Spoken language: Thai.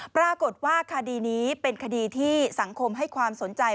ปรากฏว่าคดีนี้เป็นคดีที่สังคมให้ความสนใจ